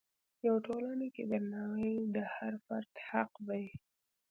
په ټولنه کې درناوی د هر فرد حق دی.